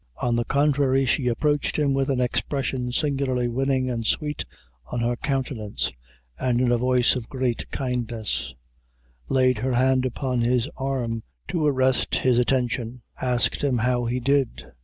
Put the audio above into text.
On the contrary, she approached him with an expression singularly winning and sweet on her countenance, and in a voice of great kindness, laid her hand upon his arm to arrest his attention, asked him how he did.